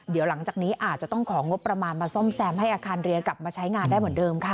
เดี๋ยวหลังจากนี้อาจจะต้องของงบประมาณมาซ่อมแซมให้อาคารเรือกลับมาใช้งานได้เหมือนเดิมค่ะ